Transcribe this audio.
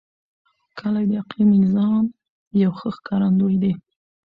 کلي د اقلیمي نظام یو ښه ښکارندوی دی.